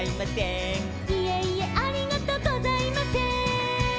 「いえいえありがとうございませーん」